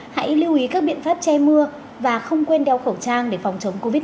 hãy lưu ý các biện pháp che mưa và không quên đeo khẩu trang để phòng chống covid một mươi